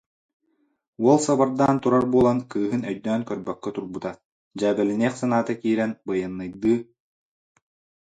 Уол сабардаан турар буолан кыыһын өйдөөн көрбөккө турбута, дьээбэлэниэх санаата киирэн, байыаннайдыы: